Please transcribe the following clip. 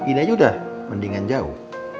ini aja udah mendingan jauh